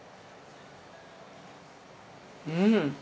うん！